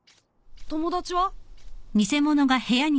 友達は？